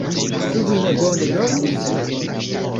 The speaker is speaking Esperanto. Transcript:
Ĉu vi ne bone dormis?